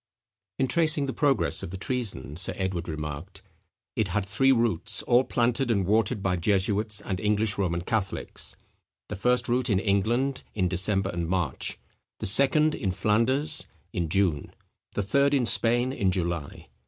In tracing the progress of the treason, Sir Edward remarked, "It had three roots, all planted and watered by jesuits and English Roman Catholics: the first root in England, in December and March; the second in Flanders, in June; the third in Spain, in July.